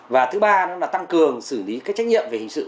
và thứ ba nó là tăng cường xử lý cái trách nhiệm về hình sự